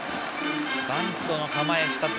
バントの構え２つ。